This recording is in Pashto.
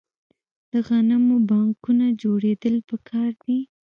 د غنمو بانکونه جوړیدل پکار دي.